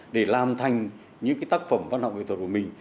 để làm thành những tác phẩm văn học nghệ thuật của mình